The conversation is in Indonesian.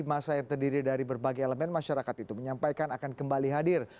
masa yang terdiri dari berbagai elemen masyarakat itu menyampaikan akan kembali hadir